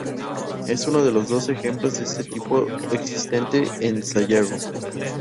Es uno de los dos ejemplares de este tipo existente en Sayago.